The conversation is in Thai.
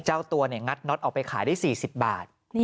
เจ้าตัวงัดน็อตออกไปขายได้๔๐บาท